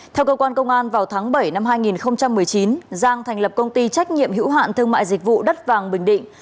theo cơ quan công an vào tháng bảy năm hai nghìn một mươi chín giang thành lập công ty trách nhiệm hữu hạn thương mại dịch vụ đất vàng bình định